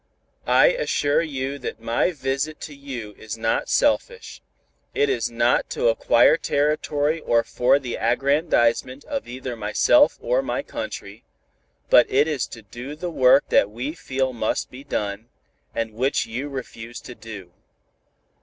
I assure you that my visit to you is not selfish; it is not to acquire territory or for the aggrandizement of either myself or my country, but it is to do the work that we feel must be done, and which you refuse to do."